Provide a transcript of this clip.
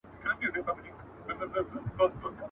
اګوستين اغېزمن پاته کيږي.